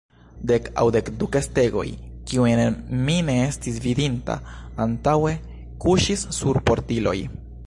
Dek aŭ dek du kestegoj, kiujn mi ne estis vidinta antaŭe, kuŝis sur portiloj.